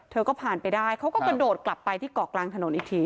เธอก็ผ่านไปได้เขาก็กระโดดกลับไปที่เกาะกลางถนนอีกที